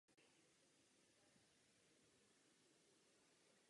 Kostel je farním kostelem římskokatolické farnosti Horní Slatina.